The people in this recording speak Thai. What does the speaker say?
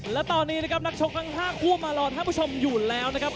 และตอนนี้นะครับนักชกทั้ง๕คู่มารอท่านผู้ชมอยู่แล้วนะครับ